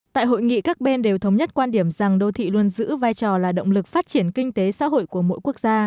tại hội nghị các bên đều thống nhất quan điểm rằng đô thị luôn giữ vai trò là động lực phát triển kinh tế xã hội của một nước